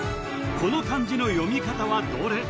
この漢字の読み方はどれ？